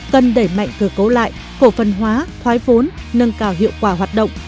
cần đẩy mạnh cơ cấu lại cổ phần hóa thoái vốn nâng cao hiệu quả hoạt động